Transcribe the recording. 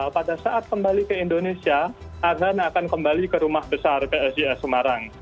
pada saat kembali ke indonesia azan akan kembali ke rumah besar psis semarang